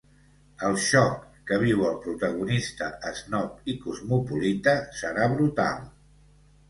El xoc que viu el protagonista, esnob i cosmopolita, serà brutal.